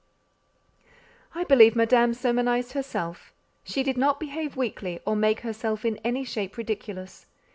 I believe Madame sermonized herself. She did not behave weakly, or make herself in any shape ridiculous.